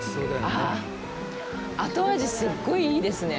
ああ、後味すごいいいですね。